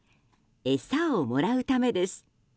餌をもらうためです。